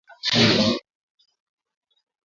kata unga wako kwenye maumbo ya maandazi